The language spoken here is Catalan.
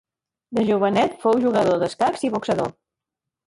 De jovenet fou jugador d'escacs i boxador.